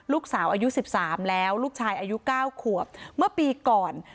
ลูกสาวอายุสิบสามแล้วลูกชายอายุเก้าขวบเมื่อปีก่อน